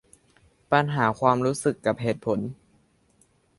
ปัญหาความรู้สึกกับเหตุผล